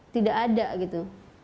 tidak ada gitu